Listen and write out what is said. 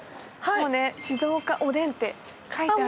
「静岡おでん」って書いてあるけど。